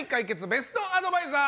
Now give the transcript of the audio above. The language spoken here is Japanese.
ベストアドバイザー